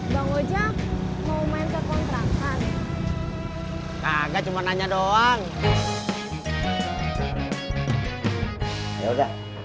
bang ojak mau main ke kontrakan kaget cuma nanya doang